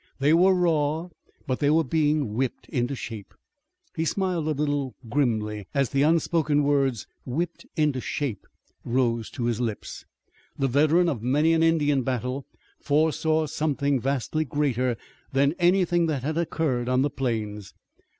They were raw, but they were being whipped into shape. He smiled a little grimly as the unspoken words, "whipped into shape," rose to his lips. The veteran of many an Indian battle foresaw something vastly greater than anything that had occurred on the plains.